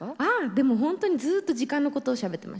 でも本当にずっと時間のことをしゃべってました。